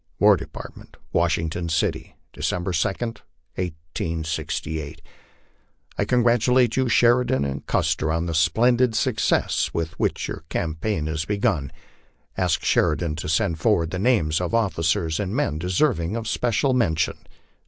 WAR DEPARTMENT, WASHINGTON CITY, December 2, 1868, I congratulate you, Sheridan, and Custer on the splendid success with which your campaign is begun. Ask Sheridan to send forward the names of officers and men deserving of special raen tion.